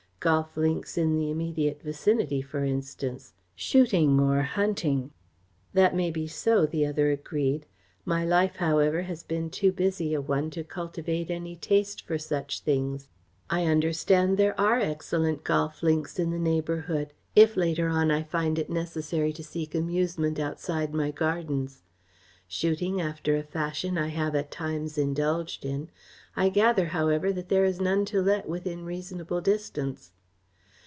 Golf links in the immediate vicinity, for instance; shooting or hunting." "That may be so," the other agreed. "My life, however, has been too busy a one to cultivate any taste for such things. I understand there are excellent golf links in the neighbourhood, if later on I find it necessary to seek amusement outside my gardens. Shooting, after a fashion, I have at times indulged in. I gather, however, that there is none to let within reasonable distance."